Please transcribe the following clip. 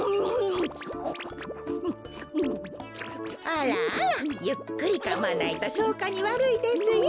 あらあらゆっくりかまないとしょうかにわるいですよ。